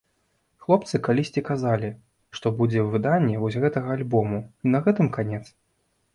Хлопцы калісьці казалі, што будзе выданне вось гэтага альбому і на гэтым канец.